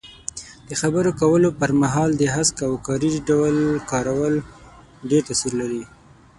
د خبرو کولو پر مهال د هسک او کاري ډول کارول ډېر تاثیر لري.